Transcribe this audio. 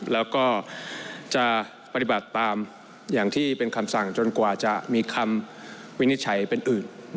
แล้วก็จะปฏิบัติตามอย่างที่เป็นคำสั่งจนกว่าจะมีคำวินิจฉัยเป็นอื่น